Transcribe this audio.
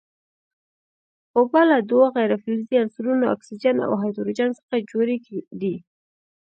اوبه له دوو غیر فلزي عنصرونو اکسیجن او هایدروجن څخه جوړې دي.